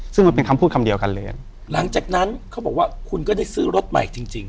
ซึ่งมันเป็นคำพูดคำเดียวกันเลยอ่ะหลังจากนั้นเขาบอกว่าคุณก็ได้ซื้อรถใหม่จริงจริง